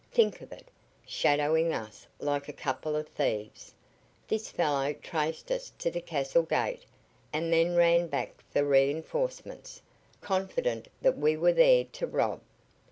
Think of it! Shadowing us like a couple of thieves. This fellow traced us to the castle gate and then ran back for reinforcements, confident that we were there to rob.